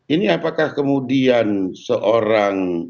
ini apakah kemudian seorang